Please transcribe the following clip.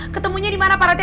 ketemunya dimana pak rete